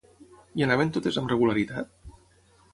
Hi anaven totes amb regularitat?